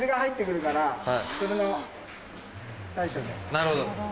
なるほど。